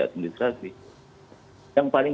administrasi yang paling